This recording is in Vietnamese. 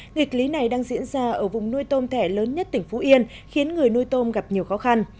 nghịch lý này đang diễn ra ở vùng nuôi tôm thẻ lớn nhất tỉnh phú yên khiến người nuôi tôm gặp nhiều khó khăn